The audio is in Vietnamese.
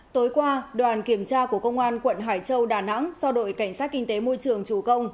tối qua đoàn kiểm tra của công an quận hải châu đà nẵng do đội cảnh sát kinh tế môi trường chủ công